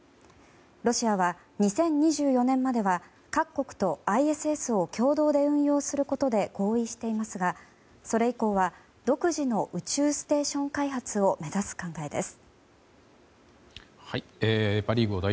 ロシアは、２０２４年までは各国とＩＳＳを共同で運用することで合意していますがそれ以降は独自の宇宙ステーション開発を目指す考えです。